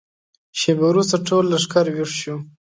شېبه وروسته ټول لښکر ويښ شو.